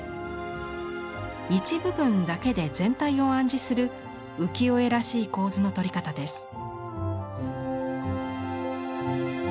一部分だけで全体を暗示する浮世絵らしい構図の取り方です。